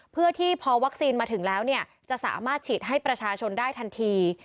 เพื่อที่พอวัคซีนมาถึงแล้วจะสามารถฉีดให้ประชาชนได้ทันที